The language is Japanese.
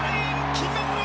金メダル！